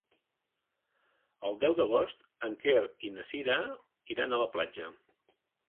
El deu d'agost en Quer i na Cira iran a la platja.